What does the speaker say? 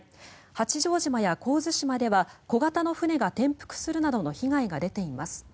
八丈島や神津島では小型の船が転覆するなどの被害が出ています。